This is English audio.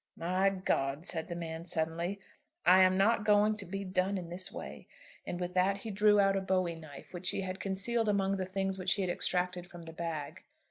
"My God," said the man suddenly, "I am not going to be done in this way." And with that he drew out a bowie knife which he had concealed among the things which he had extracted from the bag.